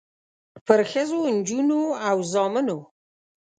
پرښخو، نجونو او زامنو